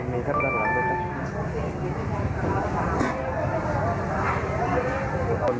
มีสับสนหลัง